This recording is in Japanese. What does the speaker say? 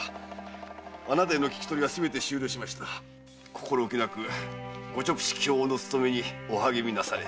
心おきなくご勅使饗応の勤めにお励みなされ。